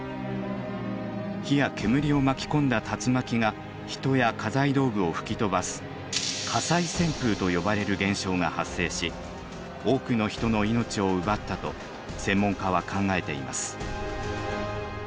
火や煙を巻き込んだ竜巻が人や家財道具を吹き飛ばす「火災旋風」と呼ばれる現象が発生し多くの人の命を奪ったと専門家は考えています。